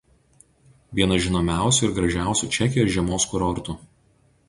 Vienas žinomiausių ir gražiausių Čekijos žiemos kurortų.